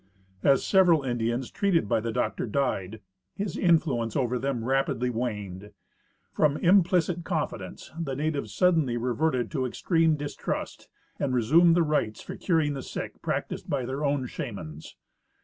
As several Indians treated by the doctor died, his influence over them rapidly waned. From implicit confidence, the natives sud denly reverted to extreme distrust and resumed the rites for cur ing the sick practiced by their own " shamans."